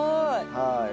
はい。